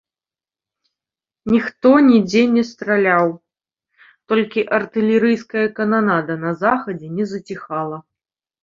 Ніхто нідзе не страляў, толькі артылерыйская кананада на захадзе не заціхала.